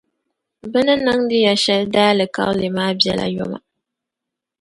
bɛ ni niŋdi ya shɛli daalikauli maa bela yoma.